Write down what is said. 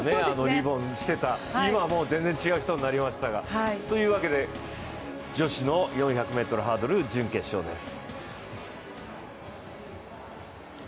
リボンをしてた今は全然、違う人になりましたが。というわけで、女子の４００ｍハードル準決勝です。